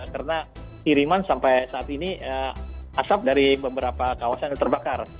karena tiriman sampai saat ini asap dari beberapa kawasan yang terbakar